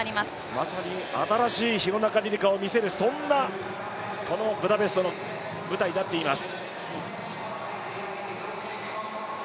まさに新しい廣中璃梨佳を見せる、そんブダペストの舞台になっています。